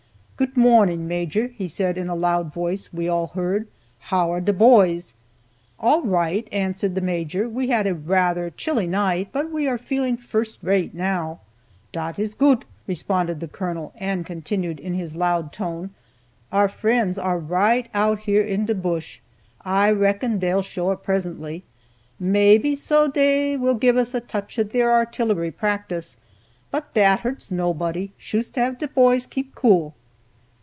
"Goot morning, Major," he said, in a loud voice we all heard. "How are de poys?" "All right," answered the Major; "we had rather a chilly night, but are feeling first rate now." "Dat iss goot," responded the Colonel; and continued in his loud tone, "our friends are right out here in de bush; I reckon dey'll show up presently. Maybe so dey will give us a touch of deir artillery practice, but dat hurts nobody. Shoost have de poys keep cool."